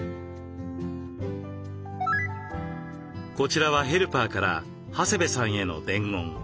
こちらはヘルパーから長谷部さんへの伝言。